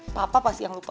papa pasti yang lupa